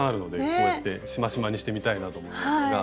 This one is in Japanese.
こうやってしましまにしてみたいなと思いますが。